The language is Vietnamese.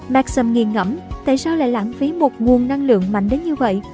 maxim nghi ngẩm tại sao lại lãng phí một nguồn năng lượng mạnh đến như vậy